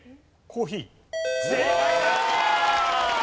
コーヒー。